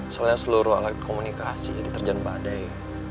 soalnya seluruh alat komunikasi diterjen badai